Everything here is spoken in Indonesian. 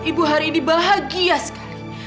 ibu hari ini bahagia sekali